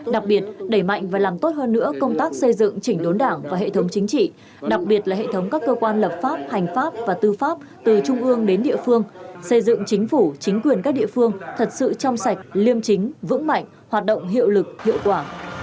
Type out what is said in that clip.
đặc biệt là hệ thống các cơ quan lập pháp hành pháp và tư pháp từ trung ương đến địa phương xây dựng chính phủ chính quyền các địa phương thật sự trong sạch liêm chính vững mạnh hoạt động hiệu lực hiệu quả